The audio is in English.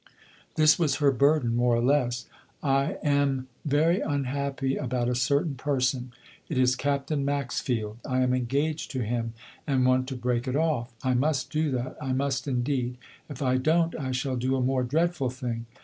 This was her burden, more or less. "I am very unhappy about a certain person. It is Captain Maxfield. I am engaged to him, and want to break it off. I must do that I must indeed. If I don't I shall do a more dreadful thing.